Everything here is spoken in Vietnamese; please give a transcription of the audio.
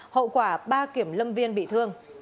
hậu quả ba kiểm lâm viên bị thương